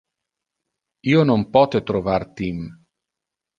Io non pote trovar Tim.